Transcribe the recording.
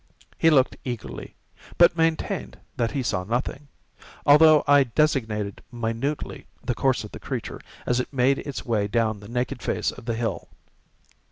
He looked eagerly—but maintained that he saw nothing—although I designated minutely the course of the creature, as it made its way down the naked face of the hill.